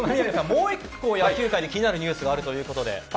もう１個、野球界で気になるニュースがあるということで。